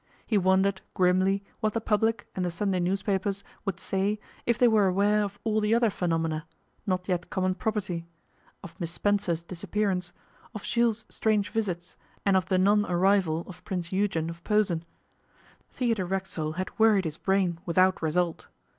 He wondered, grimly, what the public and the Sunday newspapers would say if they were aware of all the other phenomena, not yet common property: of Miss Spencer's disappearance, of Jules' strange visits, and of the non arrival of Prince Eugen of Posen. Theodore Racksole had worried his brain without result.